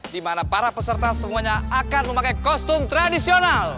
dimana para peserta semuanya akan memakai kostum tradisional